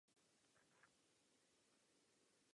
To potřebujeme v této fázi vědět.